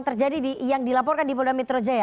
terjadi yang dilaporkan di polda metro jaya